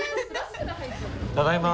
ただいま。